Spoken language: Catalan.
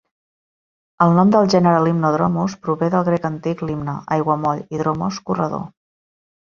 El nom del gènere "Limnodromus" prové del grec antic "limne" (aiguamoll) i "dromos" (corredor).